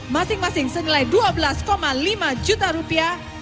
masing masing senilai dua belas lima juta rupiah